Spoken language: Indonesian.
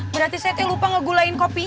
berarti sayete lupa ngegulain kopinya